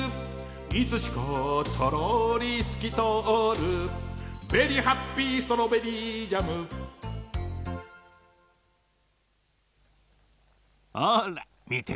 「いつしかトローリすきとおる」「ベリー・ハッピー・ストロベリージャム」ほらみてごらん。